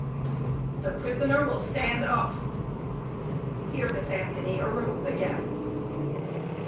JUDGE HUNT The prisoner will stand up. (Here Miss Anthony arose again.)